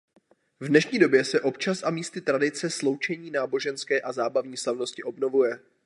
V dnešní době se občas a místy tradice sloučení náboženské a zábavní slavnosti obnovuje.